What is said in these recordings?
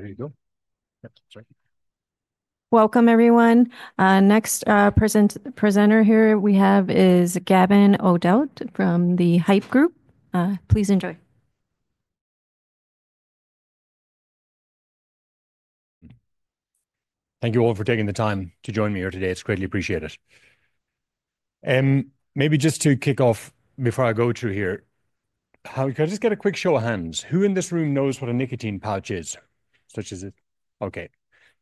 Ready to go. Welcome, everyone. Next presenter here we have is Gavin O'Dowd from the Haypp Group. Please enjoy. Thank you all for taking the time to join me here today. It's greatly appreciated. Maybe just to kick off before I go to here, can I just get a quick show of hands? Who in this room knows what a nicotine pouch is, such as this? Okay.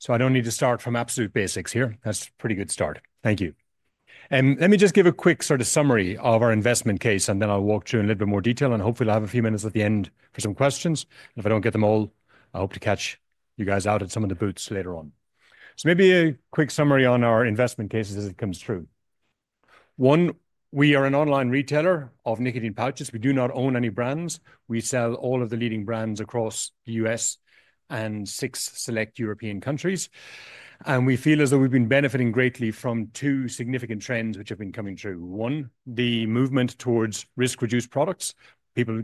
I don't need to start from absolute basics here. That's a pretty good start. Thank you. Let me just give a quick sort of summary of our investment case, and then I'll walk through in a little bit more detail, and hopefully I'll have a few minutes at the end for some questions. If I don't get them all, I hope to catch you guys out at some of the booths later on. Maybe a quick summary on our investment case as it comes through. One, we are an online retailer of nicotine pouches. We do not own any brands. We sell all of the leading brands across the U.S. and six select European countries. We feel as though we've been benefiting greatly from two significant trends which have been coming through. One, the movement towards risk-reduced products. People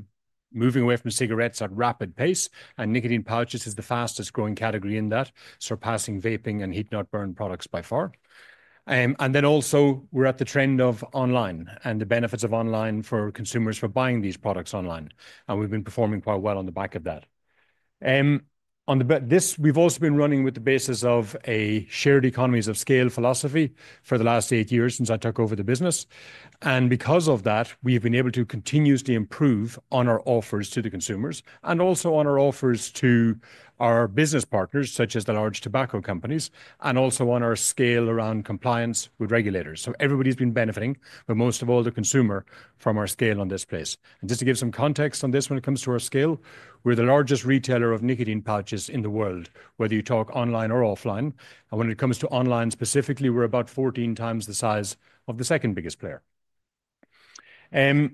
moving away from cigarettes at rapid pace, and nicotine pouches is the fastest growing category in that, surpassing vaping and heat-not-burn products by far. We are also at the trend of online and the benefits of online for consumers for buying these products online. We have been performing quite well on the back of that. We have also been running with the basis of a shared economies of scale philosophy for the last eight years since I took over the business. Because of that, we've been able to continuously improve on our offers to the consumers and also on our offers to our business partners, such as the large tobacco companies, and also on our scale around compliance with regulators. Everybody's been benefiting, but most of all the consumer from our scale on this place. Just to give some context on this when it comes to our scale, we're the largest retailer of nicotine pouches in the world, whether you talk online or offline. When it comes to online specifically, we're about 14 times the size of the second biggest player. We're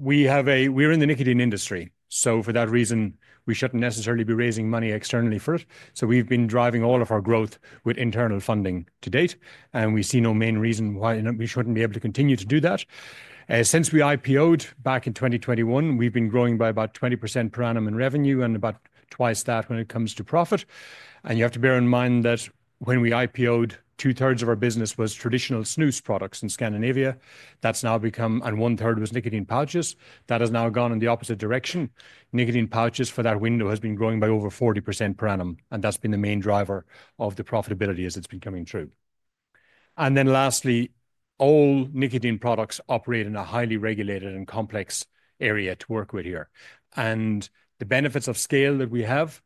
in the nicotine industry, so for that reason, we shouldn't necessarily be raising money externally for it. We have been driving all of our growth with internal funding to date, and we see no main reason why we should not be able to continue to do that. Since we IPO'd back in 2021, we have been growing by about 20% per annum in revenue and about twice that when it comes to profit. You have to bear in mind that when we IPO'd, two-thirds of our business was traditional snus products in Scandinavia. That is now become, and one-third was nicotine pouches. That has now gone in the opposite direction. Nicotine pouches for that window have been growing by over 40% per annum, and that has been the main driver of the profitability as it has been coming through. Lastly, all nicotine products operate in a highly regulated and complex area to work with here. The benefits of scale that we have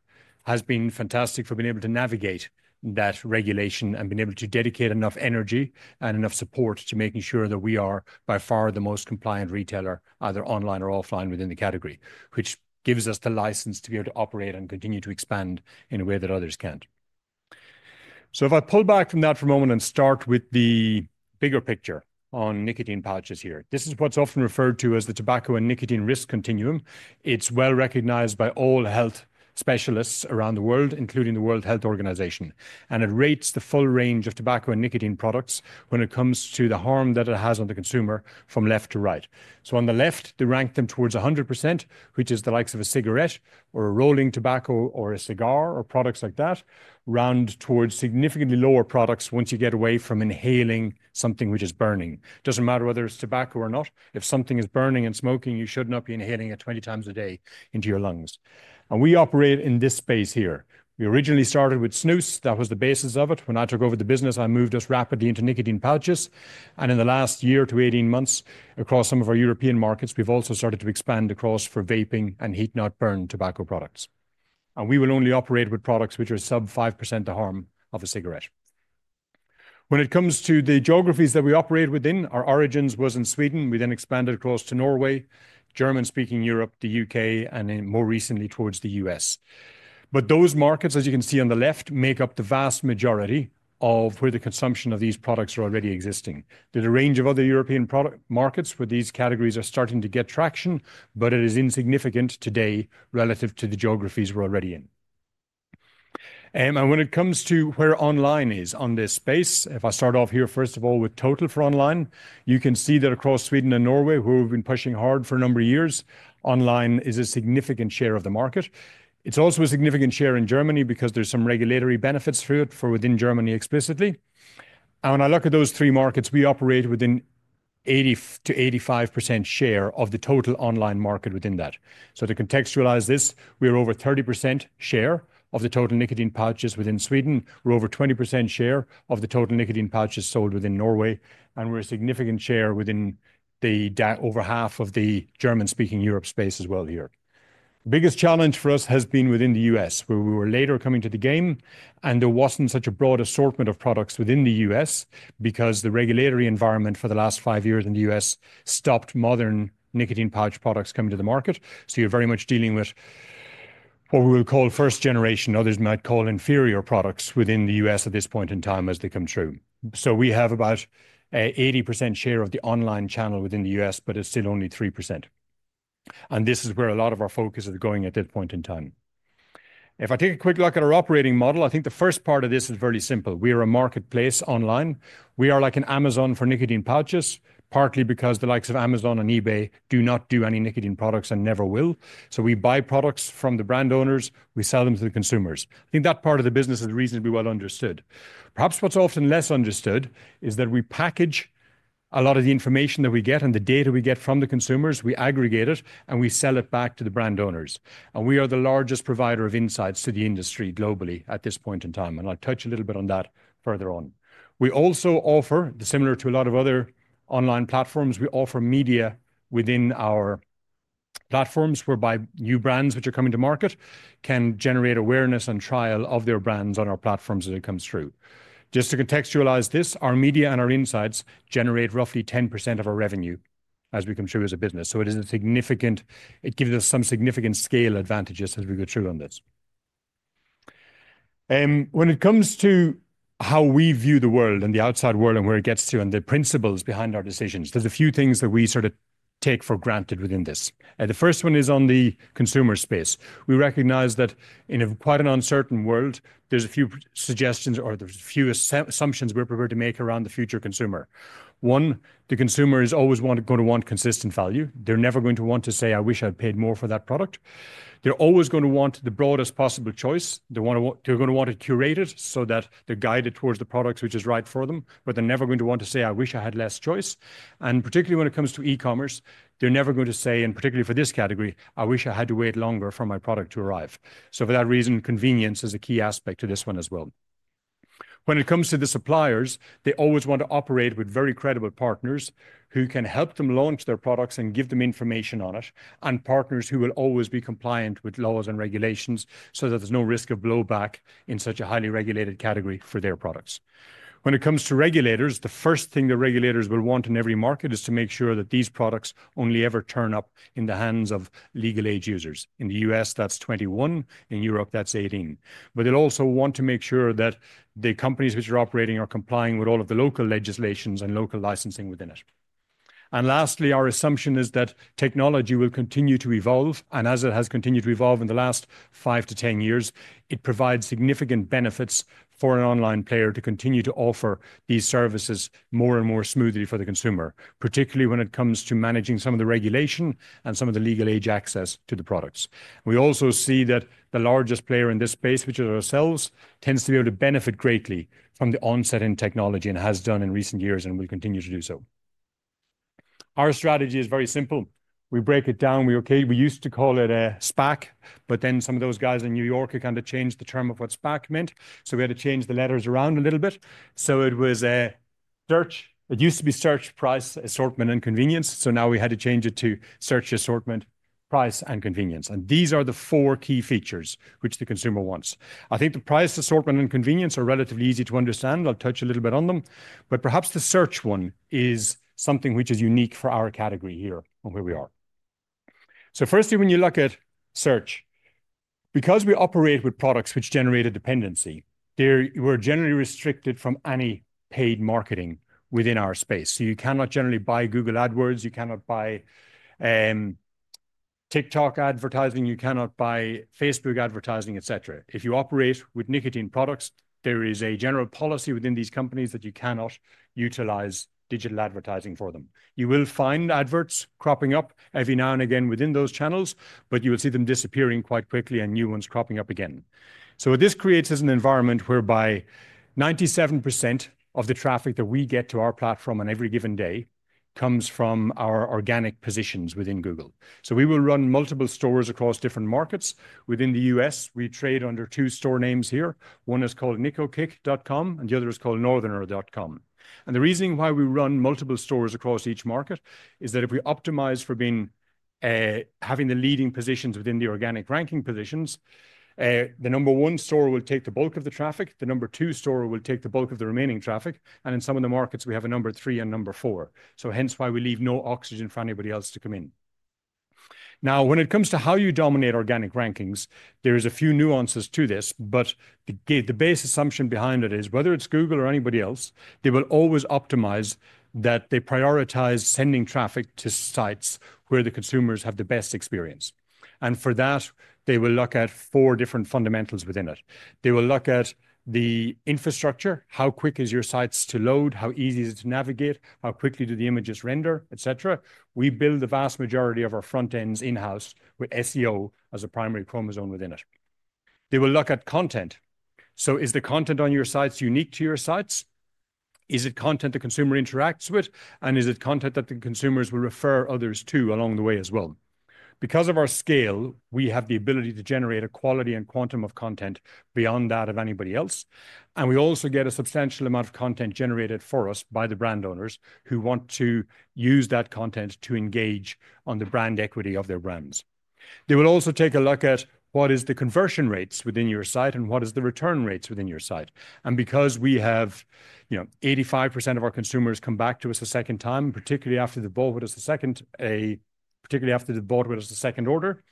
have been fantastic for being able to navigate that regulation and been able to dedicate enough energy and enough support to making sure that we are by far the most compliant retailer, either online or offline within the category, which gives us the license to be able to operate and continue to expand in a way that others can't. If I pull back from that for a moment and start with the bigger picture on nicotine pouches here, this is what's often referred to as the tobacco and nicotine risk continuum. It's well recognized by all health specialists around the world, including the World Health Organization, and it rates the full range of tobacco and nicotine products when it comes to the harm that it has on the consumer from left to right. On the left, they rank them towards 100%, which is the likes of a cigarette or a rolling tobacco or a cigar or products like that, round towards significantly lower products once you get away from inhaling something which is burning. It does not matter whether it is tobacco or not. If something is burning and smoking, you should not be inhaling it 20 times a day into your lungs. We operate in this space here. We originally started with snus. That was the basis of it. When I took over the business, I moved us rapidly into nicotine pouches. In the last year to 18 months, across some of our European markets, we have also started to expand across for vaping and heat-not-burn tobacco products. We will only operate with products which are sub 5% the harm of a cigarette. When it comes to the geographies that we operate within, our origins were in Sweden. We then expanded across to Norway, German-speaking Europe, the U.K., and more recently towards the U.S. Those markets, as you can see on the left, make up the vast majority of where the consumption of these products are already existing. There is a range of other European markets where these categories are starting to get traction, but it is insignificant today relative to the geographies we are already in. When it comes to where online is on this space, if I start off here, first of all, with total for online, you can see that across Sweden and Norway, where we have been pushing hard for a number of years, online is a significant share of the market. It is also a significant share in Germany because there are some regulatory benefits for within Germany explicitly. When I look at those three markets, we operate with an 80%-85% share of the total online market within that. To contextualize this, we are over 30% share of the total nicotine pouches within Sweden. We are over 20% share of the total nicotine pouches sold within Norway, and we are a significant share within the over half of the German-speaking Europe space as well here. The biggest challenge for us has been within the U.S., where we were later coming to the game, and there was not such a broad assortment of products within the U.S. because the regulatory environment for the last five years in the U.S. stopped modern nicotine pouch products coming to the market. You are very much dealing with what we will call first generation, others might call inferior products within the U.S. at this point in time as they come through. We have about an 80% share of the online channel within the U.S., but it's still only 3%. This is where a lot of our focus is going at this point in time. If I take a quick look at our operating model, I think the first part of this is very simple. We are a marketplace online. We are like an Amazon for nicotine pouches, partly because the likes of Amazon and eBay do not do any nicotine products and never will. We buy products from the brand owners. We sell them to the consumers. I think that part of the business is reasonably well understood. Perhaps what's often less understood is that we package a lot of the information that we get and the data we get from the consumers, we aggregate it, and we sell it back to the brand owners. We are the largest provider of insights to the industry globally at this point in time. I will touch a little bit on that further on. We also offer, similar to a lot of other online platforms, media within our platforms whereby new brands which are coming to market can generate awareness and trial of their brands on our platforms as it comes through. Just to contextualize this, our media and our insights generate roughly 10% of our revenue as we come through as a business. It is significant. It gives us some significant scale advantages as we go through on this. When it comes to how we view the world and the outside world and where it gets to and the principles behind our decisions, there are a few things that we sort of take for granted within this. The first one is on the consumer space. We recognize that in quite an uncertain world, there's a few suggestions or there's a few assumptions we're prepared to make around the future consumer. One, the consumer is always going to want consistent value. They're never going to want to say, "I wish I'd paid more for that product." They're always going to want the broadest possible choice. They're going to want it curated so that they're guided towards the products which are right for them, but they're never going to want to say, "I wish I had less choice." Particularly when it comes to e-commerce, they're never going to say, particularly for this category, "I wish I had to wait longer for my product to arrive." For that reason, convenience is a key aspect to this one as well. When it comes to the suppliers, they always want to operate with very credible partners who can help them launch their products and give them information on it, and partners who will always be compliant with laws and regulations so that there's no risk of blowback in such a highly regulated category for their products. When it comes to regulators, the first thing the regulators will want in every market is to make sure that these products only ever turn up in the hands of legal age users. In the U.S., that's 21. In Europe, that's 18. They will also want to make sure that the companies which are operating are complying with all of the local legislations and local licensing within it. Lastly, our assumption is that technology will continue to evolve, and as it has continued to evolve in the last 5 to 10 years, it provides significant benefits for an online player to continue to offer these services more and more smoothly for the consumer, particularly when it comes to managing some of the regulation and some of the legal age access to the products. We also see that the largest player in this space, which is ourselves, tends to be able to benefit greatly from the onset in technology and has done in recent years and will continue to do so. Our strategy is very simple. We break it down. We used to call it a SPAC, but then some of those guys in New York had kind of changed the term of what SPAC meant. We had to change the letters around a little bit. It was a search. It used to be search, price, assortment, and convenience. Now we had to change it to search, assortment, price, and convenience. These are the four key features which the consumer wants. I think the price, assortment, and convenience are relatively easy to understand. I'll touch a little bit on them. Perhaps the search one is something which is unique for our category here and where we are. Firstly, when you look at search, because we operate with products which generate a dependency, we're generally restricted from any paid marketing within our space. You cannot generally buy Google AdWords. You cannot buy TikTok advertising. You cannot buy Facebook advertising, etc. If you operate with nicotine products, there is a general policy within these companies that you cannot utilize digital advertising for them. You will find adverts cropping up every now and again within those channels, but you will see them disappearing quite quickly and new ones cropping up again. This creates an environment whereby 97% of the traffic that we get to our platform on every given day comes from our organic positions within Google. We will run multiple stores across different markets. Within the U.S., we trade under two store names here. One is called Nicokick.com, and the other is called Northerner.com. The reasoning why we run multiple stores across each market is that if we optimize for having the leading positions within the organic ranking positions, the number one store will take the bulk of the traffic. The number two store will take the bulk of the remaining traffic. In some of the markets, we have a number three and number four. Hence why we leave no oxygen for anybody else to come in. Now, when it comes to how you dominate organic rankings, there are a few nuances to this, but the base assumption behind it is whether it's Google or anybody else, they will always optimize that they prioritize sending traffic to sites where the consumers have the best experience. For that, they will look at four different fundamentals within it. They will look at the infrastructure, how quick are your sites to load, how easy is it to navigate, how quickly do the images render, etc. We build the vast majority of our front ends in-house with SEO as a primary chromosome within it. They will look at content. Is the content on your sites unique to your sites? Is it content the consumer interacts with? Is it content that the consumers will refer others to along the way as well? Because of our scale, we have the ability to generate a quality and quantum of content beyond that of anybody else. We also get a substantial amount of content generated for us by the brand owners who want to use that content to engage on the brand equity of their brands. They will also take a look at what are the conversion rates within your site and what are the return rates within your site. Because we have 85% of our consumers come back to us a second time, particularly after they bought with us a second order.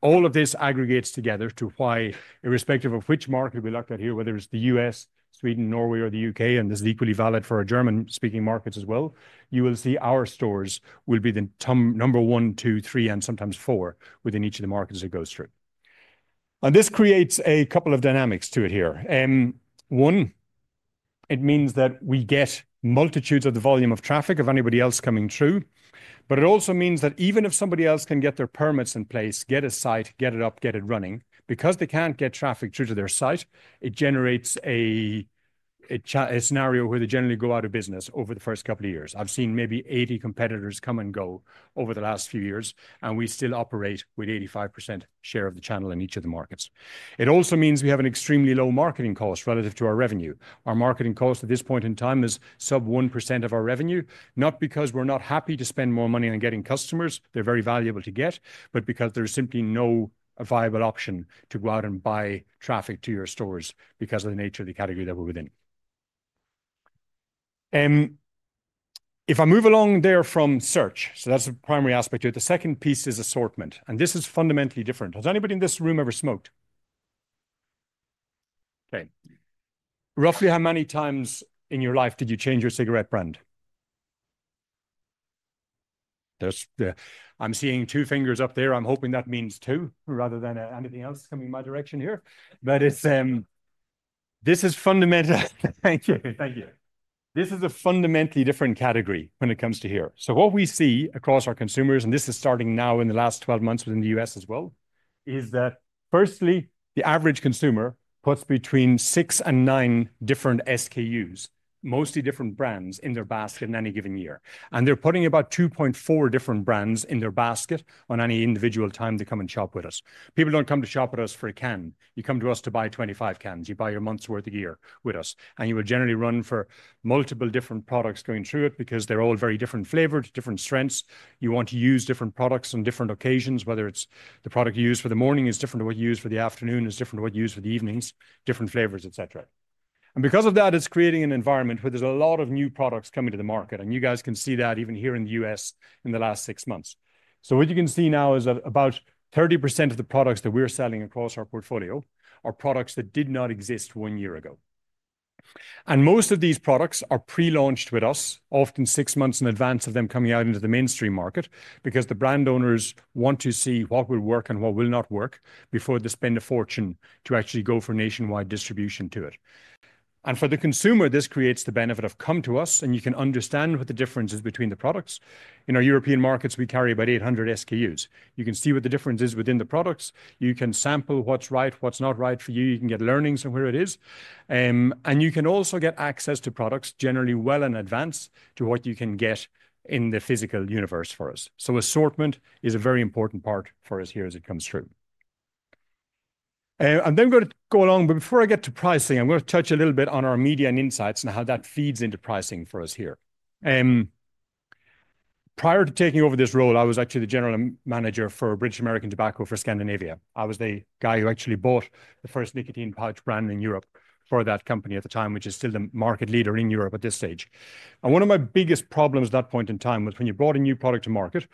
All of this aggregates together to why, irrespective of which market we look at here, whether it is the U.S., Sweden, Norway, or the U.K., and this is equally valid for our German-speaking markets as well, you will see our stores will be the number one, two, three, and sometimes four within each of the markets that goes through. This creates a couple of dynamics to it here. One, it means that we get multitudes of the volume of traffic of anybody else coming through. It also means that even if somebody else can get their permits in place, get a site, get it up, get it running, because they cannot get traffic through to their site, it generates a scenario where they generally go out of business over the first couple of years. I've seen maybe 80 competitors come and go over the last few years, and we still operate with 85% share of the channel in each of the markets. It also means we have an extremely low marketing cost relative to our revenue. Our marketing cost at this point in time is sub 1% of our revenue, not because we're not happy to spend more money on getting customers. They're very valuable to get, but because there's simply no viable option to go out and buy traffic to your stores because of the nature of the category that we're within. If I move along there from search, that's the primary aspect here. The second piece is assortment. And this is fundamentally different. Has anybody in this room ever smoked? Okay. Roughly how many times in your life did you change your cigarette brand? I'm seeing two fingers up there. I'm hoping that means two rather than anything else coming my direction here. This is fundamental. Thank you. Thank you. This is a fundamentally different category when it comes to here. What we see across our consumers, and this is starting now in the last 12 months within the U.S. as well, is that firstly, the average consumer puts between six and nine different SKUs, mostly different brands, in their basket in any given year. They are putting about 2.4 different brands in their basket on any individual time they come and shop with us. People do not come to shop with us for a can. You come to us to buy 25 cans. You buy your month's worth of gear with us. You would generally run for multiple different products going through it because they are all very different flavors, different strengths. You want to use different products on different occasions, whether it's the product you use for the morning is different to what you use for the afternoon, is different to what you use for the evenings, different flavors, etc. Because of that, it's creating an environment where there's a lot of new products coming to the market. You guys can see that even here in the U.S. in the last six months. What you can see now is about 30% of the products that we're selling across our portfolio are products that did not exist one year ago. Most of these products are pre-launched with us, often six months in advance of them coming out into the mainstream market, because the brand owners want to see what will work and what will not work before they spend a fortune to actually go for nationwide distribution to it. For the consumer, this creates the benefit of come to us, and you can understand what the difference is between the products. In our European markets, we carry about 800 SKUs. You can see what the difference is within the products. You can sample what's right, what's not right for you. You can get learnings on where it is. You can also get access to products generally well in advance to what you can get in the physical universe for us. Assortment is a very important part for us here as it comes through. I'm then going to go along, but before I get to pricing, I'm going to touch a little bit on our Media & Insights business and how that feeds into pricing for us here. Prior to taking over this role, I was actually the General Manager for British American Tobacco for Scandinavia. I was the guy who actually bought the first nicotine pouch brand in Europe for that company at the time, which is still the market leader in Europe at this stage. One of my biggest problems at that point in time was when you brought a new product to market,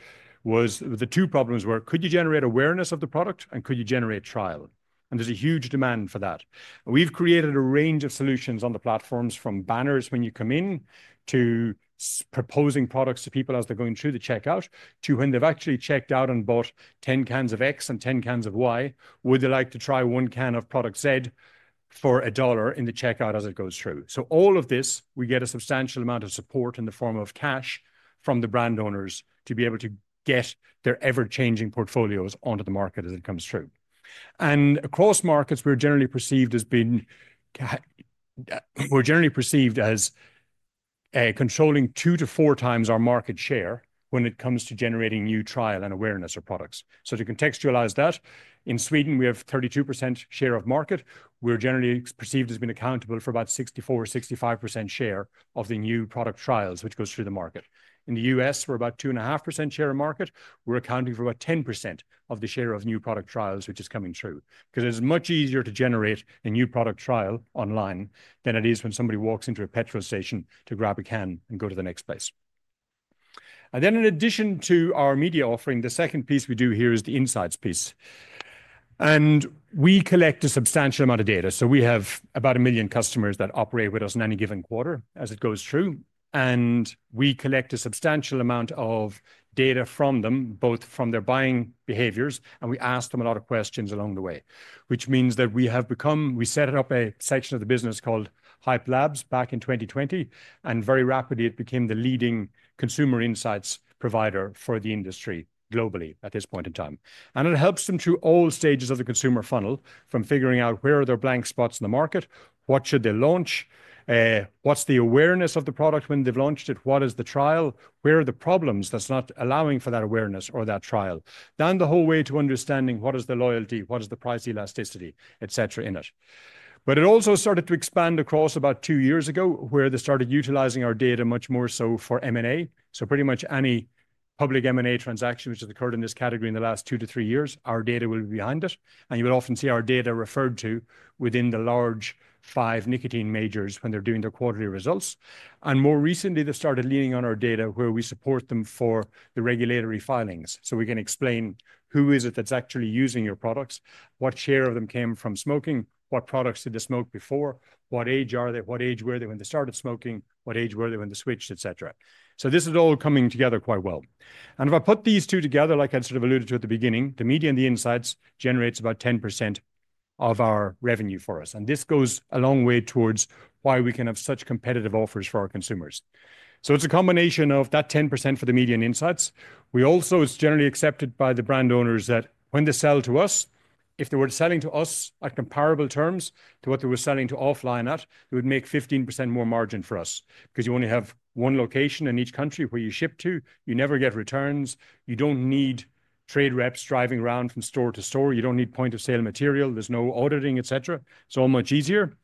the two problems were, could you generate awareness of the product and could you generate trial? There's a huge demand for that. We've created a range of solutions on the platforms from banners when you come in to proposing products to people as they're going through the checkout to when they've actually checked out and bought 10 cans of X and 10 cans of Y, would they like to try one can of product Z for $1 in the checkout as it goes through? All of this, we get a substantial amount of support in the form of cash from the brand owners to be able to get their ever-changing portfolios onto the market as it comes through. Across markets, we're generally perceived as controlling two to four times our market share when it comes to generating new trial and awareness of products. To contextualize that, in Sweden, we have a 32% share of market. We're generally perceived as being accountable for about 64% or 65% share of the new product trials which goes through the market. In the U.S., we're about a 2.5% share of market. We're accounting for about 10% of the share of new product trials which is coming through because it's much easier to generate a new product trial online than it is when somebody walks into a petrol station to grab a can and go to the next place. In addition to our media offering, the second piece we do here is the insights piece. We collect a substantial amount of data. We have about 1 million customers that operate with us in any given quarter as it goes through. We collect a substantial amount of data from them, both from their buying behaviors, and we ask them a lot of questions along the way, which means that we have become, we set up a section of the business called Haypp Labs back in 2020, and very rapidly, it became the leading consumer insights provider for the industry globally at this point in time. It helps them through all stages of the consumer funnel from figuring out where are their blank spots in the market, what should they launch, what's the awareness of the product when they've launched it, what is the trial, where are the problems that's not allowing for that awareness or that trial, down the whole way to understanding what is the loyalty, what is the price elasticity, etc. in it. It also started to expand across about two years ago where they started utilizing our data much more so for M&A. Pretty much any public M&A transaction which has occurred in this category in the last two to three years, our data will be behind it. You will often see our data referred to within the large five nicotine majors when they're doing their quarterly results. More recently, they started leaning on our data where we support them for the regulatory filings. We can explain who is it that's actually using your products, what share of them came from smoking, what products did they smoke before, what age are they, what age were they when they started smoking, what age were they when they switched, etc. This is all coming together quite well. If I put these two together, like I sort of alluded to at the beginning, the media and the insights generates about 10% of our revenue for us. This goes a long way towards why we can have such competitive offers for our consumers. It is a combination of that 10% for the media and insights. We also, it's generally accepted by the brand owners that when they sell to us, if they were selling to us at comparable terms to what they were selling to offline at, it would make 15% more margin for us because you only have one location in each country where you ship to. You never get returns. You do not need trade reps driving around from store to store. You do not need point of sale material. There is no auditing, etc. It is all much easier.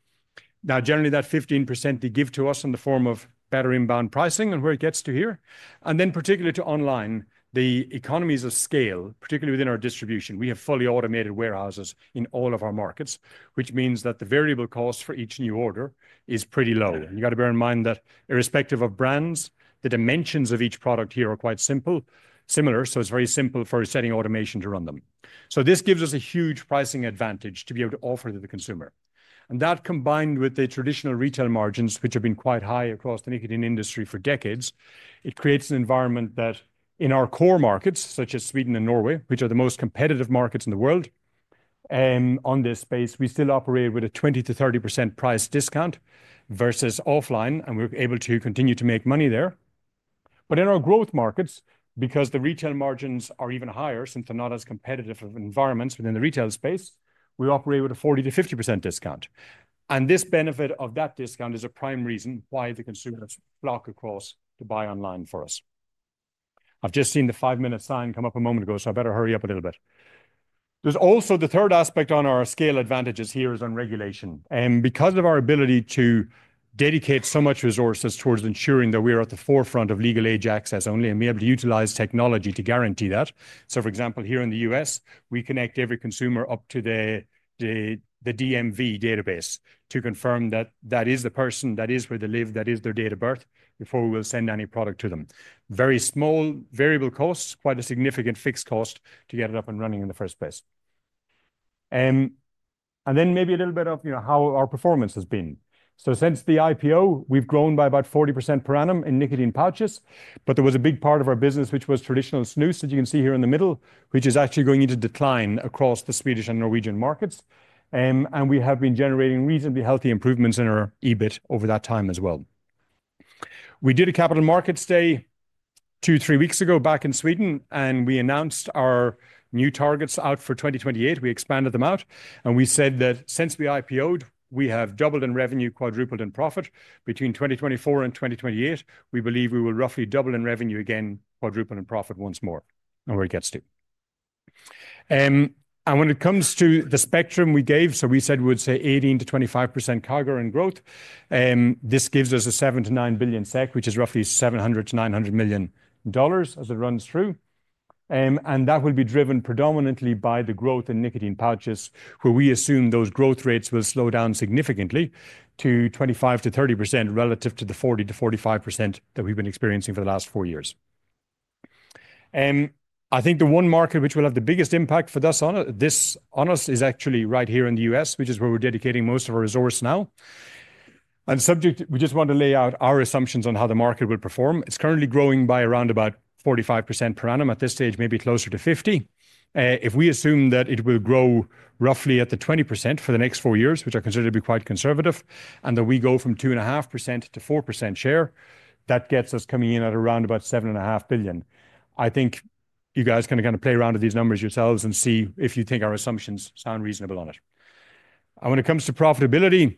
Now, generally, that 15% they give to us in the form of better inbound pricing and where it gets to here. Particularly to online, the economies of scale, particularly within our distribution, we have fully automated warehouses in all of our markets, which means that the variable cost for each new order is pretty low. You got to bear in mind that irrespective of brands, the dimensions of each product here are quite simple, similar. It is very simple for setting automation to run them. This gives us a huge pricing advantage to be able to offer to the consumer. That combined with the traditional retail margins, which have been quite high across the nicotine industry for decades, creates an environment that in our core markets, such as Sweden and Norway, which are the most competitive markets in the world in this space, we still operate with a 20%-30% price discount versus offline, and we are able to continue to make money there. In our growth markets, because the retail margins are even higher since they are not as competitive of environments within the retail space, we operate with a 40%-50% discount. The benefit of that discount is a prime reason why consumers flock across to buy online from us. I have just seen the five-minute sign come up a moment ago, so I better hurry up a little bit. There is also the third aspect on our scale advantages here, which is on regulation. Because of our ability to dedicate so much resources towards ensuring that we are at the forefront of legal age access only and be able to utilize technology to guarantee that. For example, here in the U.S., we connect every consumer up to the DMV database to confirm that that is the person, that is where they live, that is their date of birth before we will send any product to them. Very small variable costs, quite a significant fixed cost to get it up and running in the first place. Maybe a little bit of how our performance has been. Since the IPO, we've grown by about 40% per annum in nicotine pouches. There was a big part of our business, which was traditional snus that you can see here in the middle, which is actually going into decline across the Swedish and Norwegian markets. We have been generating reasonably healthy improvements in our EBIT over that time as well. We did a Capital Markets Day two, three weeks ago back in Sweden, and we announced our new targets out for 2028. We expanded them out, and we said that since we IPOed, we have doubled in revenue, quadrupled in profit. Between 2024 and 2028, we believe we will roughly double in revenue again, quadruple in profit once more and where it gets to. When it comes to the spectrum we gave, we said we would say 18%-25% CAGR in growth. This gives us a 7 billion- 9 billion SEK, which is roughly $700-$900 million as it runs through. That will be driven predominantly by the growth in nicotine pouches, where we assume those growth rates will slow down significantly to 25%-30% relative to the 40%-45% that we've been experiencing for the last four years. I think the one market which will have the biggest impact for us is actually right here in the U.S., which is where we're dedicating most of our resource now. Subject, we just want to lay out our assumptions on how the market will perform. It's currently growing by around about 45% per annum at this stage, maybe closer to 50%. If we assume that it will grow roughly at the 20% for the next four years, which I consider to be quite conservative, and that we go from 2.5%-4% share, that gets us coming in at around about 7.5 billion. I think you guys can kind of play around with these numbers yourselves and see if you think our assumptions sound reasonable on it. When it comes to profitability,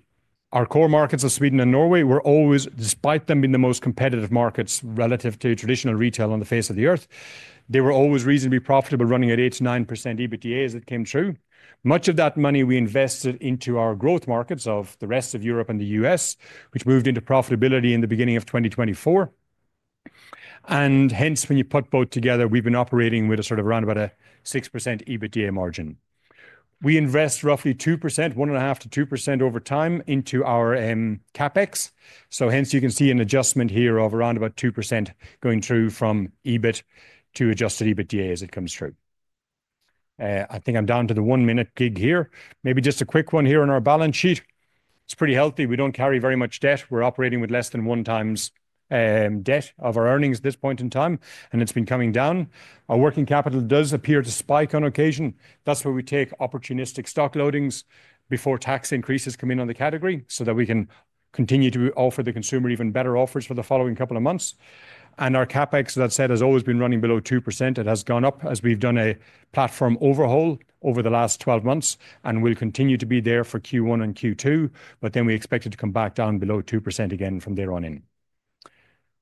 our core markets of Sweden and Norway were always, despite them being the most competitive markets relative to traditional retail on the face of the earth, they were always reasonably profitable running at 8%-9% EBITDA as it came true. Much of that money we invested into our growth markets of the rest of Europe and the U.S., which moved into profitability in the beginning of 2024. Hence, when you put both together, we've been operating with a sort of around about a 6% EBITDA margin. We invest roughly 2%, 1.5%-2% over time into our CapEx. Hence, you can see an adjustment here of around about 2% going through from EBIT to adjusted EBITDA as it comes through. I think I'm down to the one-minute gig here. Maybe just a quick one here on our balance sheet. It's pretty healthy. We do not carry very much debt. We're operating with less than one times debt of our earnings at this point in time, and it's been coming down. Our working capital does appear to spike on occasion. That is where we take opportunistic stock loadings before tax increases come in on the category so that we can continue to offer the consumer even better offers for the following couple of months. Our CapEx, as I've said, has always been running below 2%. It has gone up as we've done a platform overhaul over the last 12 months and will continue to be there for Q1 and Q2, but we expect it to come back down below 2% again from there on in.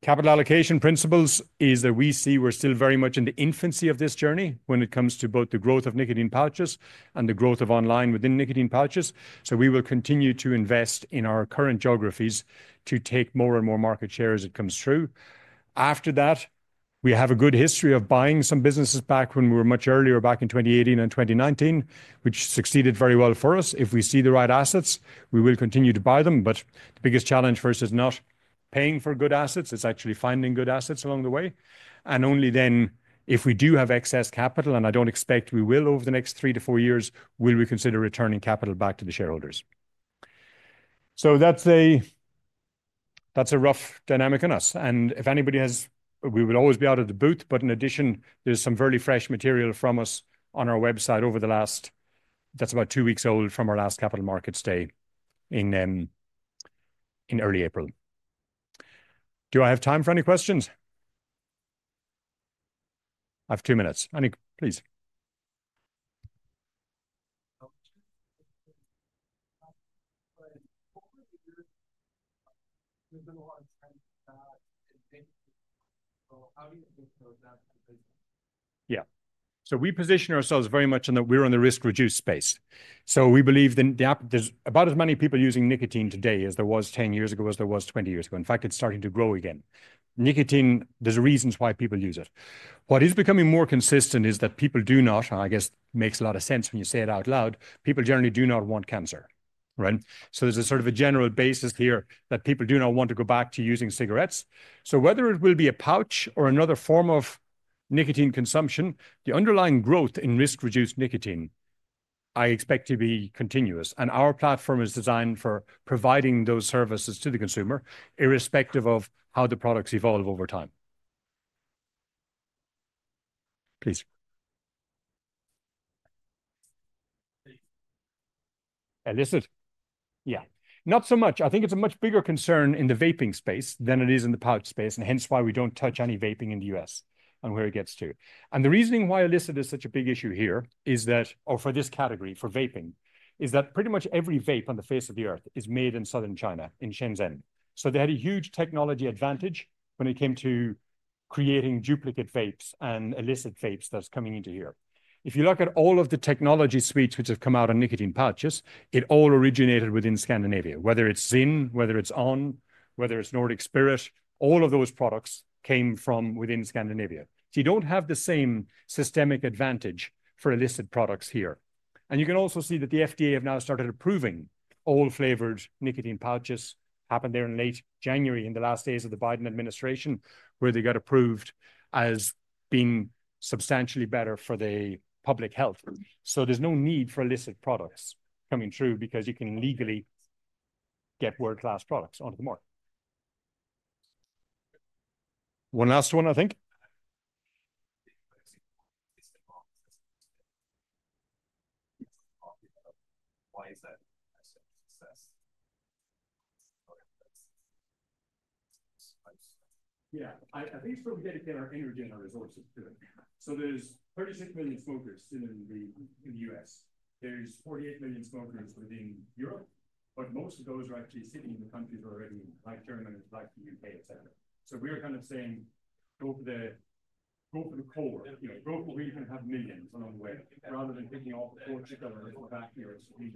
Capital allocation principles is that we see we're still very much in the infancy of this journey when it comes to both the growth of nicotine pouches and the growth of online within nicotine pouches. We will continue to invest in our current geographies to take more and more market share as it comes through. After that, we have a good history of buying some businesses back when we were much earlier back in 2018 and 2019, which succeeded very well for us. If we see the right assets, we will continue to buy them. The biggest challenge for us is not paying for good assets. It's actually finding good assets along the way. Only then, if we do have excess capital, and I don't expect we will over the next three to four years, will we consider returning capital back to the shareholders. That's a rough dynamic on us. If anybody has, we would always be out of the booth, but in addition, there's some very fresh material from us on our website over the last, that's about two weeks old from our last Capital Markets Day in early April. Do I have time for any questions? I have two minutes. Annie, please. Yeah. We position ourselves very much in that we're in the risk-reduced space. We believe that there's about as many people using nicotine today as there was 10 years ago as there was 20 years ago. In fact, it's starting to grow again. Nicotine, there's reasons why people use it. What is becoming more consistent is that people do not, and I guess makes a lot of sense when you say it out loud, people generally do not want cancer, right? There's a sort of a general basis here that people do not want to go back to using cigarettes. Whether it will be a pouch or another form of nicotine consumption, the underlying growth in risk-reduced nicotine I expect to be continuous. Our platform is designed for providing those services to the consumer irrespective of how the products evolve over time. Please. illicit? Yeah. Not so much. I think it's a much bigger concern in the vaping space than it is in the pouch space, and hence why we don't touch any vaping in the U.S. and where it gets to. The reasoning why illicit is such a big issue here is that, or for this category for vaping, is that pretty much every vape on the face of the earth is made in southern China in Shenzhen. They had a huge technology advantage when it came to creating duplicate vapes and illicit vapes that's coming into here. If you look at all of the technology suites which have come out of nicotine pouches, it all originated within Scandinavia, whether it's Zyn, whether it's On!, whether it's Nordic Spirit, all of those products came from within Scandinavia. You don't have the same systemic advantage for illicit products here. You can also see that the FDA have now started approving all-flavored nicotine pouches. That happened there in late January in the last days of the Biden administration, where they got approved as being substantially better for the public health. There is no need for illicit products coming through because you can legally get world-class products onto the market. One last one, I think. Yeah, I think it's probably dedicated our energy and our resources to it. There are 36 million smokers in the US. There are 48 million smokers within Europe, but most of those are actually sitting in the countries we are already in, like Germany, like the U.K., etc. We are kind of saying go for the core, you know, go for where you can have millions along the way rather than picking all the poor chicken that are in the back here and.